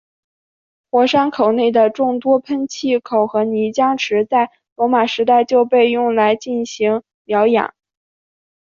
火山口内的众多喷气口和泥浆池在罗马时代就被用来进行疗养。